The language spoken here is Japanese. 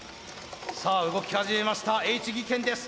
さあ動き始めましたＨ技研です。